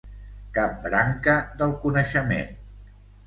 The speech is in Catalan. Cap branca del coneixement.